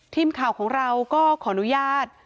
ทีมข่าวของเราก็ขออนุญาต